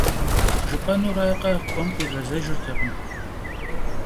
Jjıp'enurakhe, k'uem khiğezejjırtekhım.